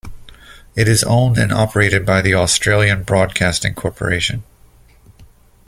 It is owned and operated by the Australian Broadcasting Corporation.